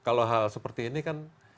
kalau hal seperti ini kan